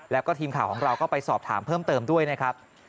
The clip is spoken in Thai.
แล้วก็ทีมข่าวของเราก็ไปสอบถามเพิ่มเติมด้วยนะครับ